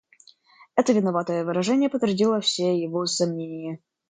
Это виноватое выражение подтвердило все его сомнения.